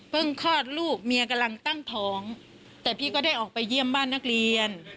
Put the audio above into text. คลอดลูกเมียกำลังตั้งท้องแต่พี่ก็ได้ออกไปเยี่ยมบ้านนักเรียน